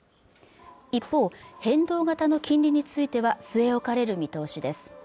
一方変動型の金利については据え置かれる見通しです